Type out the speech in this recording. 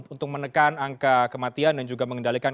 untuk menekan angka kematian dan juga mengendalikan